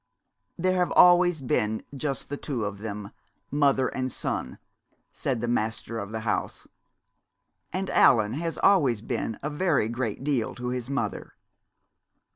"There have always been just the two of them, mother and son," said the Master of the House. "And Allan has always been a very great deal to his mother."